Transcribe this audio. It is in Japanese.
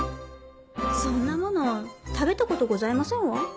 そんなもの食べた事ございませんわ。